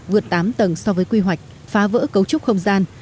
vượt tám tầng so với quy hoạch phá vỡ cấu trúc không gian